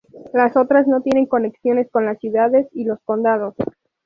Las otras no tienen conexiones con las ciudades y los condados.